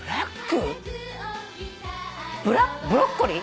ブロッコリー？